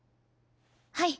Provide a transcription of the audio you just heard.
はい。